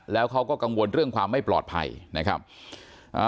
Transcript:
แล้วเขาก็กังวลเรื่องความไม่ปลอดภัยนะครับอ่า